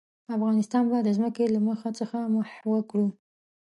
افغانستان به د ځمکې له مخ څخه محوه کړو.